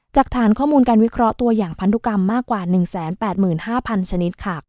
จากฐานข้อมูลการวิเคราะห์ตัวอย่างพันธุกรรมมากกว่า๑๘๕๐๐ชนิดค่ะ